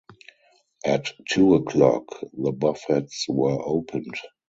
At two o'clock, the buffets were opened.